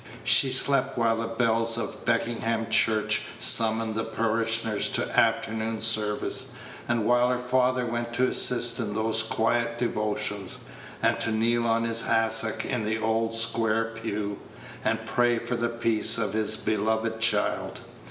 She slept while the bells of Beckenham church summoned the parishioners to afternoon service, and while her father went to assist in those quiet devotions, and to kneel on his hassock in the old square pew, and pray for the peace of his beloved child.